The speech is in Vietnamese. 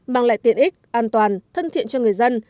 mang lại tiện ích an toàn thân thiện cho người dân